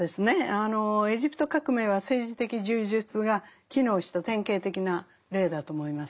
あのエジプト革命は政治的柔術が機能した典型的な例だと思います。